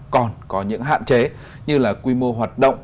còn có những hạn chế như là quy mô hoạt động